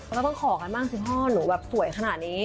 ก็ต้องขอกันบ้างสิพ่อหนูแบบสวยขนาดนี้